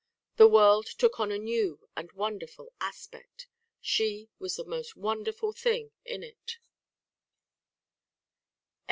The world took on a new and wonderful aspect; she was the most wonderful thing in it.